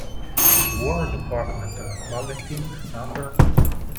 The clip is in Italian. Il "War Department Bulletin No.